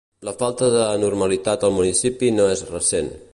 La falta de normalitat al municipi no és recent.